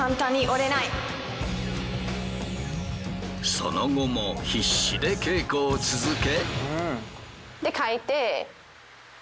その後も必死で稽古を続け。